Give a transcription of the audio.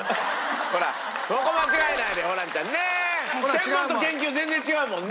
専門と研究全然違うもんね？